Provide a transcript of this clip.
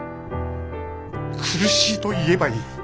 苦しいと言えばいい。